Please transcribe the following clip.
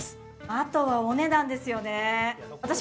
あとはお値段ですよね